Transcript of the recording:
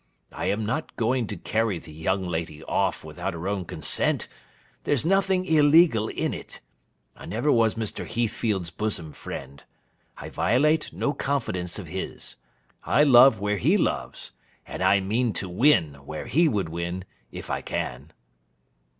I am not going to carry the young lady off, without her own consent. There's nothing illegal in it. I never was Mr. Heathfield's bosom friend. I violate no confidence of his. I love where he loves, and I mean to win where he would win, if I can.